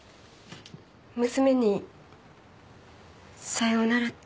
娘にさようならって。